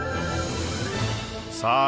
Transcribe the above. さあ